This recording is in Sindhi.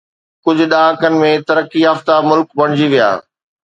ڪجهه ڏهاڪن ۾ ترقي يافته ملڪ بڻجي ويا